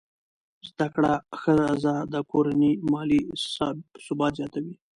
زده کړه ښځه د کورنۍ مالي ثبات زیاتوي.